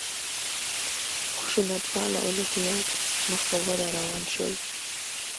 خشونت پاله الهیات مخ په وده روان شول.